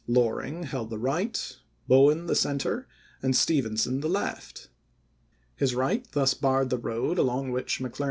Loring held the right, Bowen the center, and Stevenson the left. His right thus barred the road along which McCler ibid.